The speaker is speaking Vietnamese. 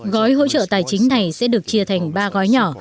gói hỗ trợ tài chính này sẽ được chia thành ba gói nhỏ